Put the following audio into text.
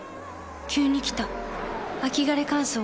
急に来た秋枯れ乾燥。